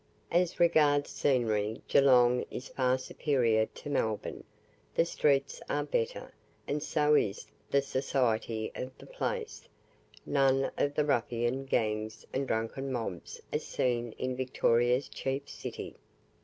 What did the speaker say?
As regards scenery, Geelong is far superior to Melbourne, the streets are better, and so is the society of the place; none of the ruffian gangs and drunken mobs as seen in Victoria's chief city.